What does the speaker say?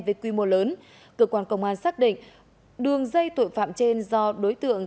với quy mô lớn cơ quan công an xác định đường dây tội phạm trên do đối tượng